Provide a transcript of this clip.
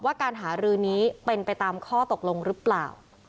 การหารือนี้เป็นไปตามข้อตกลงหรือเปล่า